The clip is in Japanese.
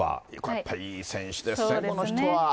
やっぱりいい選手ですね、この人は。